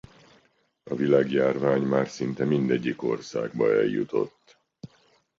A világjárvány már szinte mindegyik országba eljutott.